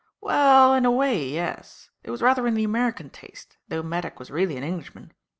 "Well, in a way, yes. It was rather in the American taste, though Maddock was really an Englishman.